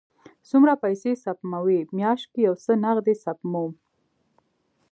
څومره پیسی سپموئ؟ میاشت کې یو څه نغدي سپموم